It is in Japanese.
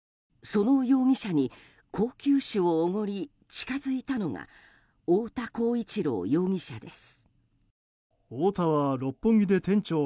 その容疑者に高級酒をおごり近づいたのが太田浩一朗容疑者です。